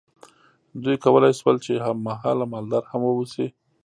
دوی کولی شول چې هم مهاله مالدار هم واوسي.